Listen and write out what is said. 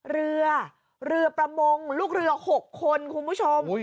เรือเรือประมงลูกเรือ๖คนคุณผู้ชม